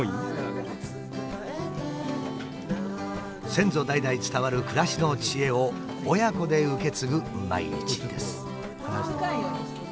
先祖代々伝わる暮らしの知恵を親子で受け継ぐ毎日です。